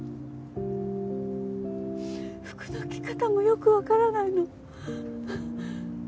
服の着方もよくわからないの。